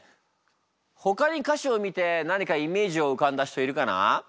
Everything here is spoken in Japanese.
ほかに歌詞を見て何かイメージを浮かんだ人いるかな？